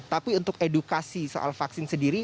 tapi untuk edukasi soal vaksin sendiri